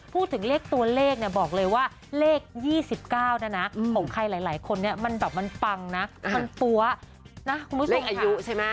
พูดถึงเลขตัวเลขบอกเลยว่าเลข๒๙นะของใครหลายคนมันแบบมันปังนะมันปั๊วนะเลขอายุใช่ไหม